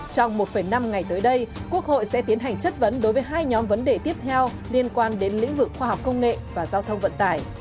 trong một năm ngày tới đây quốc hội sẽ tiến hành chất vấn đối với hai nhóm vấn đề tiếp theo liên quan đến lĩnh vực khoa học công nghệ và giao thông vận tải